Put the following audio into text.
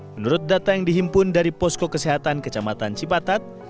menurut data yang dihimpun dari posko kesehatan kecamatan cipatat